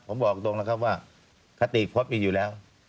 ผมบอกตรงนะครับว่าคติพบมีอยู่แล้ว